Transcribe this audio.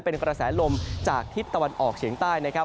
เป็นกระแสลมจากทิศตะวันออกเฉียงใต้นะครับ